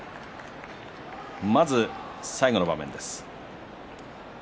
まず最後の場面です。